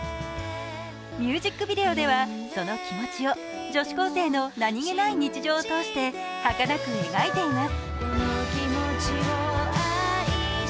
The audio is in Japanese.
ミュージックビデオではその気持ちを女子高生の何気ない日常を通してはかなく描いています。